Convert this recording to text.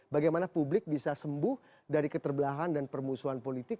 bagaimana publik bisa sembuh dari keterbelahan dan permusuhan politik